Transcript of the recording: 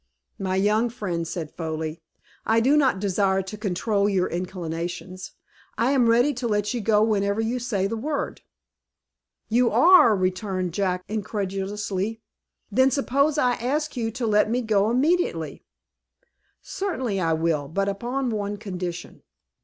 "My young friend," said Foley, "I do not desire to control your inclinations. I am ready to let you go whenever you say the word." "You are?" returned Jack, incredulously. "Then suppose I ask you to let me go immediately." "Certainly, I will; but upon one condition."